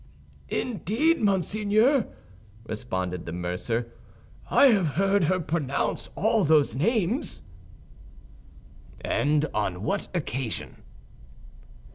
"Indeed, monseigneur," responded the mercer, "I have heard her pronounce all those names." "And on what occasion?"